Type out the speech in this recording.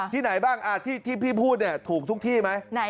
ที่ไหนบ้างที่พี่พูดเนี่ยถูกทุกที่ไหม